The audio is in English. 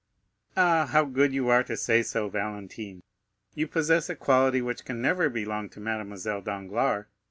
"Ah, how good you are to say so, Valentine! You possess a quality which can never belong to Mademoiselle Danglars.